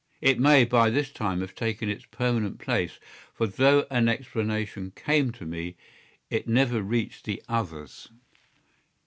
It may by this time have taken its permanent place, for though an explanation came to me, it never reached the others.